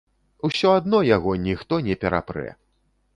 Усё адно яго ніхто не перапрэ.